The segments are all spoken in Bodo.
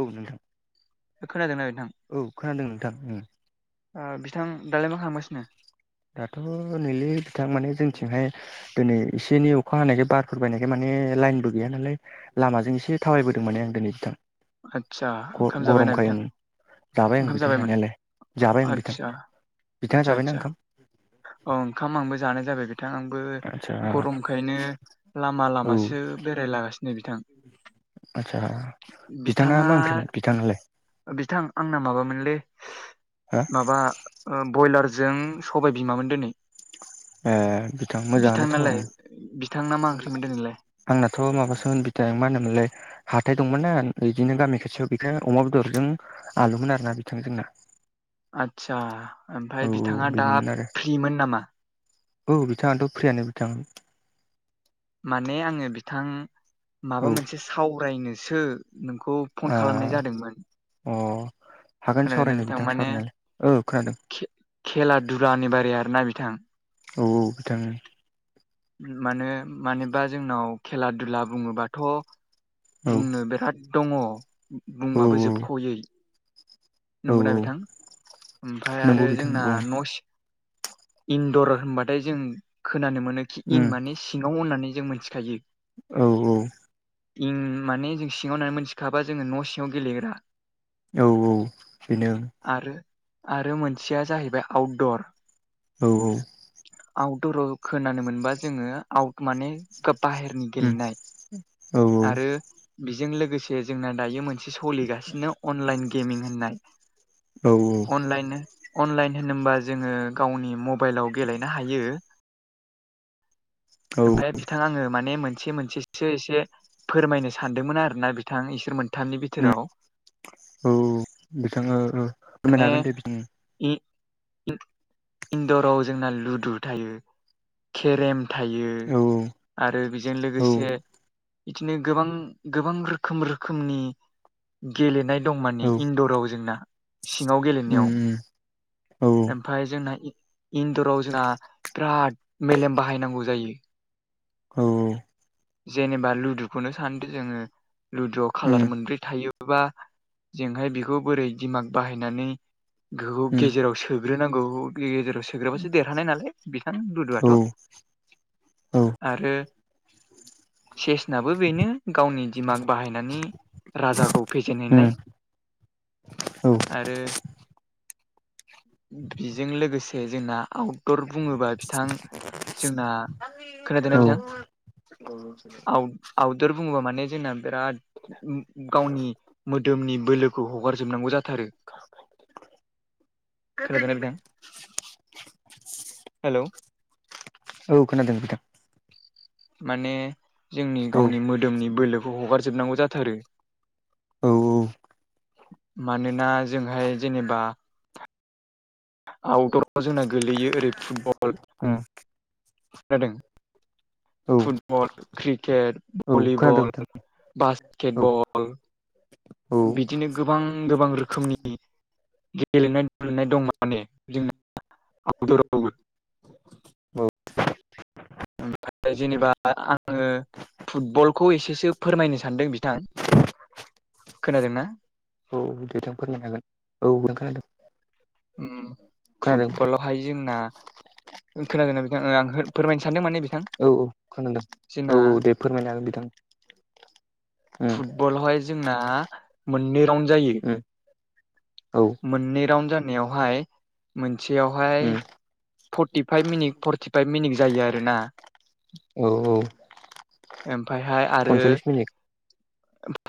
औ नोंथां। खोनादों ना नोंथां? औ खोनादों नोंथां उम ओ बिथां दालाय मा खामगासिनो दाथ' नैलै बिथां माने जोंथिंहाय दिनै एसे एनै अखा हानायखाय बारफोर बायनायखाय माने लाइनबो गैया नालाय लामाजों एसे थाबायबोदों माने आं दोनै नोंथां आदसा ओंखाम जाबायना नोंथां? जाबाय आं ओंखाम बिथां जाबायमोन जानायालाय जाबाय आं बिथां आदसा बिथाङा आदसा जाबायना आदसा ओंखाम औ ओंखाम आंबो जानाय जाबायमोन आंबो आदसा गरमखायनो लामा लामासो बेरायलागासिनो बिथां आस्सा बिथाङा मा ओंख्रिमोन बिथाङालाय बिथां आंना माबामोनलै हो माबा बयलारजों स सबाय बिमामोन दोनै ए बिथां मोजाङानोथ' ओं नालाय बिथांना मा ओंख्रिमोन दोनैलाय आंनाथ' माबासोमोन बिथां मा होनोमोनलाय हाथाय दंमोन ना इदिनो गामि खाथियाव बेखानो अमा बेदरजों आलुमोन आरोना बिथां जोंना आदसा औ ओमफाय औ बिथाङा दा बेनोमोन आरो फ्रिमोन नामा? औ बिथाङाथ' फ्रियानो बिथां माने आङो बिथां औ माबा ओ मोनसे सावरायनोसो नोंखौ फन खालामनाय जादोंमोन। अह खोनादोंना बिथां माने खोनादों खे खेला दुलानि बारै आरोना बिथां। औ औ बिथां। मानो मानोबा जोंनाव खेला दुला बुङोबाथ' औ बुंनो बिराद दङ औ बुंबाबो जोबख'यै औ नंगौना बिथां औ ओमफाय नंगौ आरो बिथां जोंना नंगौ न' सिं इन्दर होनबाथाय जों खोनानो मोनो खि उम इन माने सिङाव होननानै जों मोनथिखायो। औ औ। इं माने जों सिङाव होननानै मोनथिखाबा जोङो न' सिङाव गेलेग्रा औ औ बेनो आरो आरो मोनसेया जाहैबाय आउटदर औ औ। आउटदराव खोनानो मोनबा जोङो आउट माने बाहेरनि उम गेलेनाय औ आरो बेजों लोगोसे जोंना दायो मोन से सोलिगासिनो अनलाइन गेमिं होननाय औ अनलाइन अनलाइन होनोमोबा जोङो गावनि मबाइलाव गेलेनो हायो औ उम ओमफ्रायाय बिथां आङो माने मोनसे मोनसेसो एसे फोरमायनो सानदोंमोन आरोना बिथां इसोर मोन उम औ बिथाङा फोरमायनो हागोन दे बिदि इ-इन्दराव जोंना लुदु थायो केरेम बियो औ आरो बिजों औ लोगोसे बिदिनो गोबां गोबां रोखोम रोखोमनि गेलेनाय दं माने औ इन्दराव जोंना सिङाव उम गेलेनायाव उम औ ओमफाय जोंना इन्दराव जोंना बिराद मेलेम बाहायनांगौ। जायो। औ जेनेबा लुदुखौनो सानदो जोङो लुदुआव उम खाालार मोनब्रै थायो। बा जोंहाय बिखौ बोरै दिमाग बाहायनानै गोहौ उम गेजेराव सो सोग्रोनांगौ गेजेराव सोग्रोबासो देरहानाय नालाय बिथां औ लुदुआथ' आरो सेसनाबो बेनो गावनि दिमाग बाहायनानै राजाखौ उम फेजेनहैनाय औ आरो बिजों लोगोसे जोंना आवट दुर बुङोबा बिथां जोंना खोनादोंना बिथां औ आउट-आउदुर बुङोबा माने जोंना बिराद गावनि मोदोमनि बोलो खौ हगारजोबनांगौ जाथारो खोनादोंना बिथां हेलौ औ खोनादों बिथां। माने जोंनि औ गावनि मोदोमनि बोलोखौ हगारजोबनांगौ जाथारो। औ मानोना जोंहाय जेनेबा आउदराव जोंना गोगलैयो ओरै फुटबल उम खोनादों औ फुटबल क्रिकेट खोनादों भलिबल नोंथां औ बासकेटबल औ बिदिनो गोबां गोबां रोखोमनि गेलेनाय दलेनाय दं माने जोंना आउदुरावबो औ ओमफाय जेनेबा आङो फुटबलखौ एसेसो फोरमायनो सानदों बिथां खोनादोंना औ बिथां फोरमायनो हागोन। औ खोनादों। उम खोनादों नोंथां फुटबलावहाय जोंना खोनादोंना बिथांं आं फोरमायनो सानदों माने बिथां औ खोनादों औ जोंना औ दे फोरमायनो हागोन बिथां उम फुटबलावहाय जोंना मोननै राउन्ड जायो। उम औ मोननै राउन्ड जानायावहाय मोनसेयावहाय उम फर्टिफाइभ मिनिट फर्टिफाइभ मिनिट जायो आरो ना। औ औ ओमफायहाय आरो पनसल्लिस मिनिट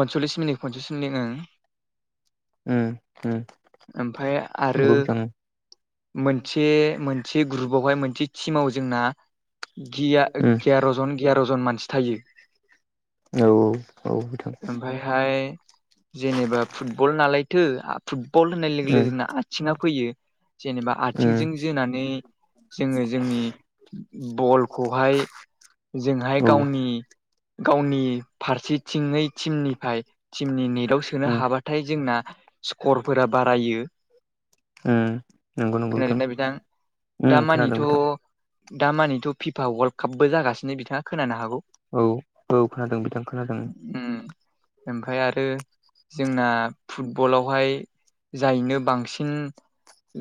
पनसलिस मिनिट पन्सस मिनिट ओं उम उम ओमफाय आरो नंगौ बिथां मोनसे मोनसे ग्रुपावहाय मोनसे टिमाव जोंना उम गिया-गियार'जन गियार'जन मानसि थायो। औ औ औ बिथां। ओमफायहाय जेनेबा फुटबल नालायथो फुटबल होननाय लोगो उम लोगोनो आथिङा फैयो जेनेबा उम आथिंजों जोनानै जोङो जोंनि बलखौहाय जोंहाय औ उम गावनि गावनि फारसेथिङै थिमनिफाय टिमनि नेटआव सोनो हाबाथाय जोंना स्करफोरा बारायो उम नंगौ नंगौ खोनादोंना बिथां उम खोनादों दामानिथ' बिथां दाामानिथ' फिफा वर्ल्ड कापबो जागासिनो बिथाङा खोनानो हागौ औ औ खोनादों ओं खोनादों उम ओमफाय आरो जोंना फुट फुटबलावहाय जायनो बांसिन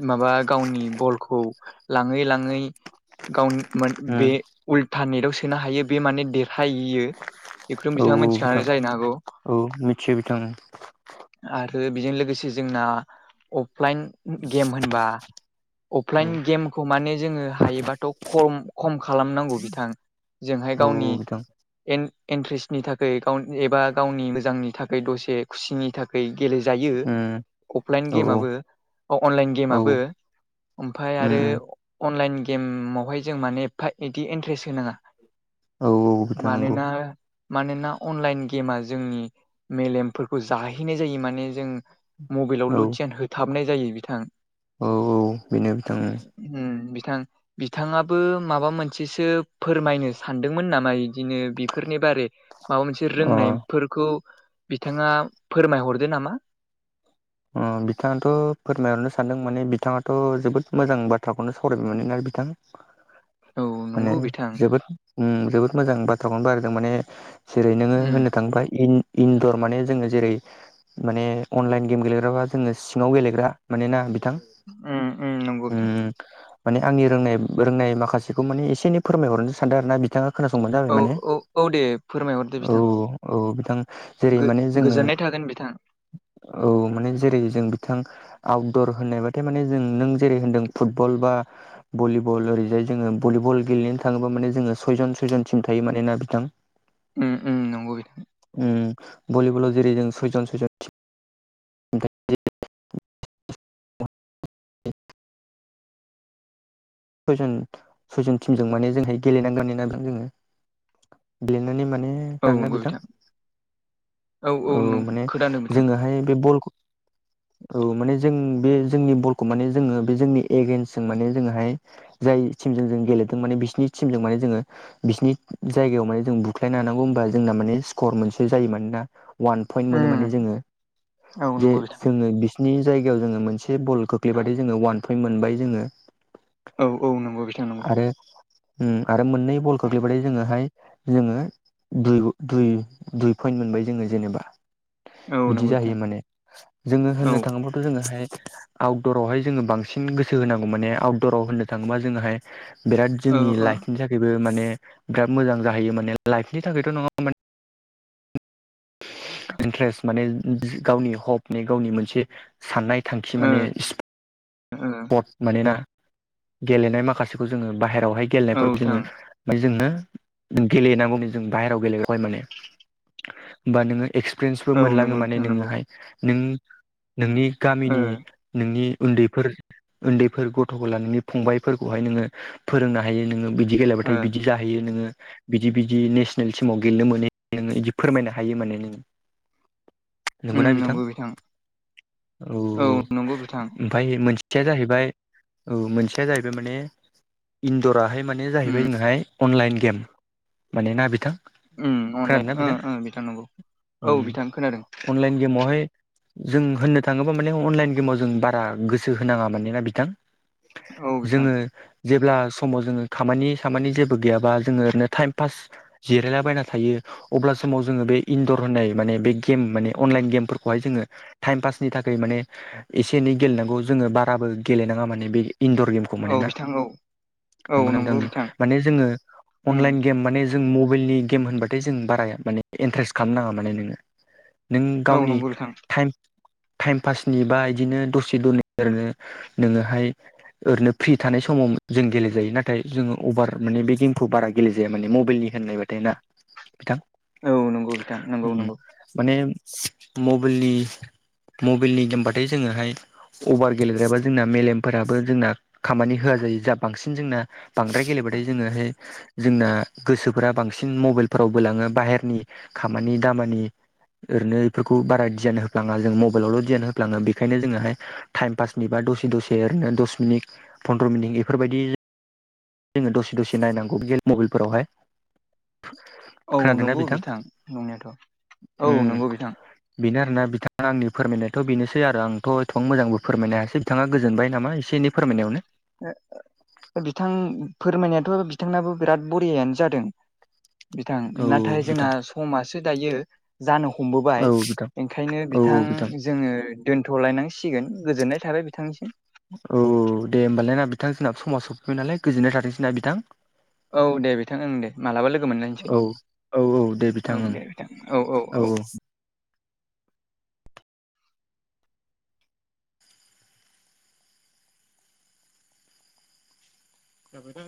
माबा गावनि बलखौ लाङै लाङै गावन मोन औ बे उल्था नेटाव सोनो हायो बे माने देरहाहैयो। बेखौथ' औ बिथाङा बिथां मिथिखागौ जाहैनो हागौ। औ मिथियो बिथां आरो बेजों लोगोसे जोंना अफलाइन गेम होनबा औ अफलाइन गेमखौ माने जोङो हायोबाथ' खम खम खालामनांगौ। बिथां जोंहाय औ औ गावनि बिथां इन्ट्रेस्टनि थाखै गाव एबा गावनि मोजांनि थाखै दसे खुसिनि थाखै गेलेजायो उम अफलाइन औ औ गेमाबो अ अनलाइन औ उम गेमाबो ओमफाय आरो उम अनलाइन गेमावहाय जों माने एफा इदि इन्ट्रेस्ट होनाङा औ बिथां नंगौ मानोना मानोना अनलाइन गेमा जोंनि मेलेमफोरखौ जाहैनाय जायो माने जों औ मबाइलावल' धियान होथाबनाय जायो बिथां औ बेनो बिथां उम बिथां बिथाङाबो माबा मोनसेसो फोरमायनो सानदोंमोन नामा। इदिनो बेफोरनि बारै माबा मोनसे अ रोंनायफोरखौ बिथाङा फोरमायहरदो नामा। अ बिथाङाथ' फोरमायहरनो सानदों माने बिथाङाथ' जोबोद मोजां बाथ्राखौनो सावरायबाय माने ना बिथां। [inaudible] माने नंगौ बिथां जोबोद उम जोबोद मोजां बाथ्राखौनो [unintelligible] माने जेरै नोङो उम होननो थाङोबा इन इनदर माने जोङो जेरै माने अनलाइन गेम गेलेग्राबा जोङो सिङाव गेलेग्रा मानोना बिथां उ उ नोंगौ उम बिथां माने आंनि रोंनाय रोंनाय माखासेखौ माने एसे एनै फोरमायहरनो सानदों आरोना बि बिथाङा खोनासंबानो जाबाय औ माने। औ औ दे फोरमायहरदो औ बिथां औ बिथां जेरै गो माने जोङो गोजोननाय थागोन बिथां। औ माने जेरै जों बिथां आउटदर होननायबाथाय माने जों नों जेरै होनदों फुटबल बा भलिबल ओरैजाय जोङो भलिबल गेलेनो थाङोब्ला माने जोङो सयजन सयजन टिम थायो माने ना बिथां उम उम नंगौ बिथां उम भलिबलाव जेरै जों सयजन सयजन [unintelligible] सयजन सयजन टिमजों माने जोंहाय गेलेनां [unintelligible] जोङो गेनानै माने औ ना नंगौ बिथां औ नों माने खोनादों बिथां जोङोहाय बे बलखो औ माने जों बे जोंनि बलखौ माने जोङो बे जोंनि एगेन्स्टजों माने जोङोहाय जाय टिमजों जों गेलेदों माने बिसोरनि टिमजों माने जोङो बिसिनि जायगायाव माने जों बुख्लायनो हानांगौ होमबा जोंना माने स्कर मोनसे जायो। माने ना वान पइन्ट मोनो उम माने जोङो औ जे नंगौ बिथां जोङो। बिसिनि जायगायाव जोङो मोनसे से बल खोख्लैबाथाय जोङो वान पइन्ट मोनबाय जोङो। औ औ नंगौ बिथां नंगौ आरो उम आरो मोननै बल खोग्लैबाथाय जोङोहाय जोङो दुइ दुइ दुइ पइन्ट मोनबाय जोङो जेनेबा औ बिदि नंगौ बिथां जाहैयो माने, जोङो औ होननो थाङोब्ला बेखौ जोङोहाय आउटदरावहाय जोङो बांसिन गोसो होनांगौ माने आउटदराव होननो थाङोबा जोङोहाय बिराद ओ जोंनि ओ लाइफनि थाखायबो माने बिराद मोजां जाहैयो माने, लाइफनि थाखायथ' नङा माने इन्ट्रेस्ट माने गावनि हपनि गावनि मोनसे साननाय थांखि ओ माने ओ स्पर्ट मानोना गेलेनाय माखासेखौ जोङो बाहेरायावहाय औ गेलेनायफोरखौ बिथां जोङो ओफ्राय जोङो गेलेनांगौमोन जों बाहेरायाव गेलेबोबाय माने बा नोङो एक्सपिरियेन्सबो औ नंगौ मोनलाङो माने बिथां नंगौ नोङोहाय नों नोंनि ओ गामिनि नोंनि उन्दैफोर उन्दैफोर गथ'खौ लानानै फंबायफोरखौहाय नोङो फोरोंनो हायो नोङो। बिदि बिदि गेलेबाथाय ओ बिदि जाहैयो नोङो बिदि बिदि नेसनेल सिमाव गेलेनो मोनो नोङो बिदि फोरमायनो हायो माने नों उम नंगौना बिथां नंगौ औ नंगौ बिथां औ ओमफाय मोनसेया जाहैबाय ओ मोनसेया जाहैबाय माने इन्दराहाय माने उम जाहैबाय जोंहाय अनलाइन गेम माने ना बिथां? ओम अनलाय खोनादों ना ओम ओम बिथां नंगौ। औ उम बिथां खोनादों। अनलाइन गेमावहाय जों होननो थाङोबा माने अनलाइन गेमाव जों बारा गोसो गोसो होनाङा मानोना बिथां, औ बिथां जोङो जेब्ला समाव जोङो खामानि सामानि जेबो गैयाबा जोङो ओरैनो टाइम पास जिरायलाबायना थायो। अब्ला समाव जोङो बे इनदर होननाय माने बे गेम माने अनलाइन गेमफोरखौहाय जोङो टाइम पासनि थाखाय माने एसे एनै गेलेनांगौ। जोङो बाराबो गेलेनाङा माने बे इन्दर गेम खौ औ मोनेना। बिथां औ औ नंगौ ना नोंथां? बिथां माने जोङो उम अनलाइन गेम माने जों मबाइलनि गेम होनबाथाय जों बारा माने इन्टारेस्ट खालाम नाङा माने नों नों औ गावनि नंगौ बिथां टाइम टाइम पासनि बा बिदिनो दसे दनै ओरैनो नोङोहाय ओरैनो फ्रि थानाय समाव जों गेलेजायो नाथाय जोङो अभार माने बे गेमखौ बारा गेलेजाया माने मबाइलनि होननाय बादि देना बिथां औ नंगौ बिथां नंगौ ओम। नंगौ माने मबाइलनि मबाइलनि गेमबाथाय जोङोहाय अभार गेलब्रेबा जोंना मेलेमफोराबो जोंना खामानि होआ जायो जा बांसिन जोंना बांद्राय गेलेबथाय जोङोहाय जोंना गोसोफोरा बांसिन मबाइलफोराव बोलाङो बाहेरनि खामानि दामानि ओरैनो बेफोरखौ बारा डियान होफ्लाङा जों मबाइलावल' डियान होफ्लाङो बेखायनो जोङोहाय टाइम पासनिबा दसे दसे ओरैनो दस मिनिट फन्द्र' मिनिट बेफोरबायदि जोङो दसे दसे नायनांगौ मबाइलफोरावहाय। औ नंगौ बिथां नंनायाथ' औ उम नंगौ बिथां। बेनो आरोना बिथाङा आंनि फोरमायनायथ' बेनोसै आरो आंथ' एथ मोजांबो फोरमायनो हायासै बिथाङा गोजोनबाय नामा? एसे एनै फोरमायनायावनो बिथां फोरमायनायाथ' बिथांनाबो बिराद बरियानो जादों। बिथां औ नाथाय जोंना बिथां समासो दायो जानो औ हमबोबाय। बिथां ओंखायनो औ बिथां औ जोङो दोन्थ'लायनांसिगोन। गोजोननाय थाबाय बिथांनिसिम। औ दे होमबालाय ना बिथां जोंना समाव सफैबाय नालाय गोजोननाय थाथोंसै ना बिथां? औ दे बिथां ओं दे मालाबा लोगो मोनलायसै। औ औ औ दे बिथां औ ओं दे बिथां औ औ औ। [unintelligible]